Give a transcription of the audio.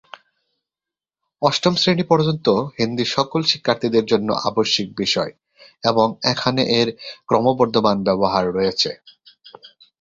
অষ্টম শ্রেণী পর্যন্ত হিন্দি সকল শিক্ষার্থীদের জন্য আবশ্যিক বিষয় এবং এখানে এর ক্রমবর্ধমান ব্যবহার রয়েছে।